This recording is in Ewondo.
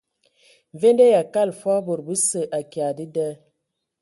Mvende yʼakala fə bod bəsə akya dəda.